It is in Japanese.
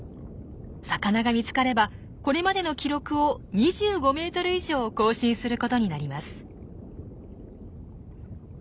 魚が見つかればこれまでの記録を２５ｍ以上更新することになります。